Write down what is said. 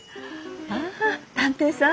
ああ探偵さん。